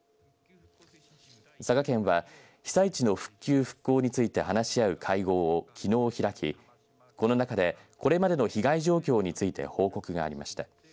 佐賀県は被災地の復旧、復興について話し合う会合をきのう開きこの中でこれまでの被害状況について報告がありました。